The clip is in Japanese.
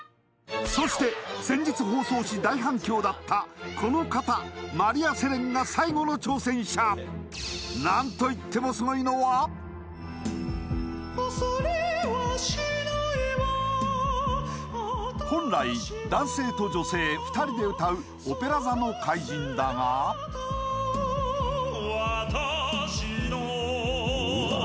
そして先日放送し大反響だったこの方マリアセレンが最後の挑戦者本来男性と女性２人で歌う「オペラ座の怪人」だがうわ